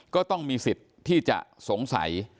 ก็ต้องมีสิทธิ์ที่จะสงสัย